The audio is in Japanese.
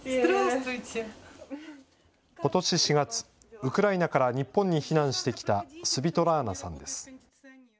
ことし４月、ウクライナから日本に避難してきたスヴィトラーナさんです。